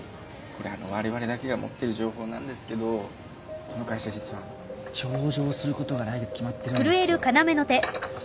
これあの我々だけが持ってる情報なんですけどこの会社実は上場することが来月決まってるんですよ。